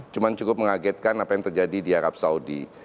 cuma cukup mengagetkan apa yang terjadi di arab saudi